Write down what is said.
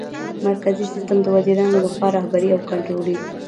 مرکزي سیسټم د وزیرانو لخوا رهبري او کنټرولیږي.